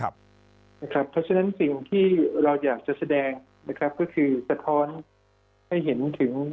เพราะฉะนั้นสิ่งที่เราอยากจะแสดงนะครับก็คือสะท้อนให้เห็นถึง